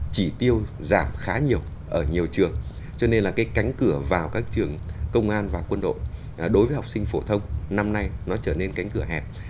chỉ tiêu giảm khá nhiều ở nhiều trường cho nên là cái cánh cửa vào các trường công an và quân đội đối với học sinh phổ thông năm nay nó trở nên cánh cửa hẹp